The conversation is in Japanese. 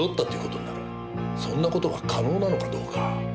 そんな事が可能なのかどうか。